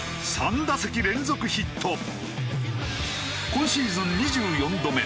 今シーズン２４度目